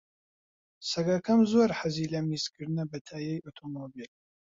سەگەکەم زۆر حەزی لە میزکردنە بە تایەی ئۆتۆمۆبیل.